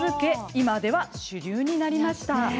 今では主流になりました。